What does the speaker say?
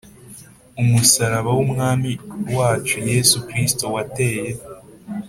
umusaraba w Umwami wacu Yesu Kristo wateye